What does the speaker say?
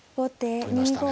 取りましたね。